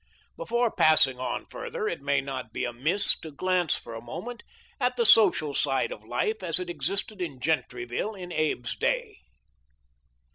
Before passing on further it may not be amiss to glance for a moment at the social side of life as it existed in Gentryville in Abe's day.